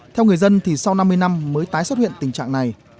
theo người dân thì sau năm mươi năm mới tái xuất hiện tình trạng này